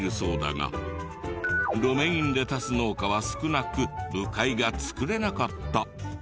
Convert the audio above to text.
ロメインレタス農家は少なく部会が作れなかった。